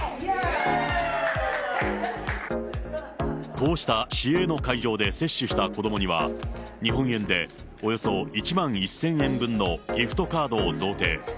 こうした市営の会場で接種した子どもには、日本円でおよそ１万１０００円分のギフトカードを贈呈。